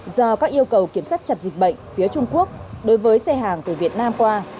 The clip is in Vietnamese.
do các yêu cầu kiểm soát chặt dịch bệnh phía trung quốc đối với xe hàng từ việt nam qua